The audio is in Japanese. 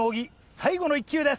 最後の１球です。